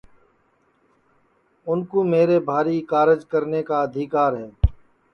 تو اُن کُو میرے بھاری کارج کرنے کا آدیکر ہے